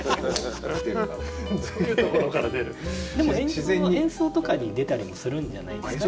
でも演奏とかに出たりもするんじゃないですか。